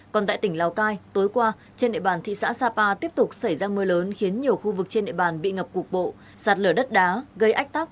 còn tại tỉnh lào cai tối qua trên địa bàn thị xã sapa tiếp tục xảy ra mưa lớn khiến nhiều khu vực trên địa bàn bị ngập cục bộ sạt lở đất đá gây ách tắc